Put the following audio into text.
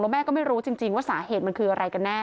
แม่ก็ไม่รู้จริงว่าสาเหตุมันคืออะไรกันแน่